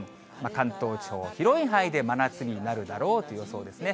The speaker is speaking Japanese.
関東地方、広い範囲で真夏日になるだろうという予想ですね。